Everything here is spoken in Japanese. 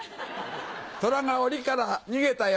トラがオリから逃げたよ。